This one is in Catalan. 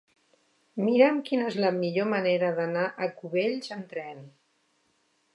Mira'm quina és la millor manera d'anar a Cubells amb tren.